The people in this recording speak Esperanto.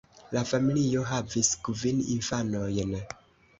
La familio havis kvin infanojn.